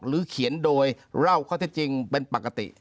หรือเขียนโดยเล่าเขาที่จริงเป็นปกติ